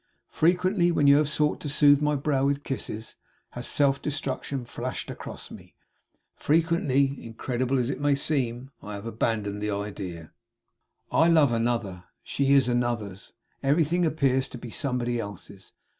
Frequently when you have sought to soothe my brow with kisses has self destruction flashed across me. Frequently incredible as it may seem have I abandoned the idea. 'I love another. She is Another's. Everything appears to be somebody else's.